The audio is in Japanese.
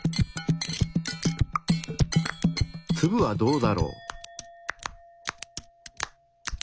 ツブはどうだろう？